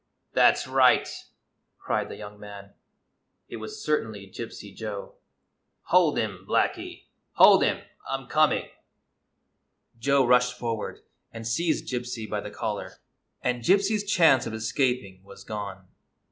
" That 's right," cried the young man — it was certainly Gypsy Joe; "hold him, Blacky! Hold him! I'm coming!" Joe rushed forward and seized Gypsy by the 183 GYPSY, THE TALKING DOG collar, and Gypsy's chance of escaping was gone.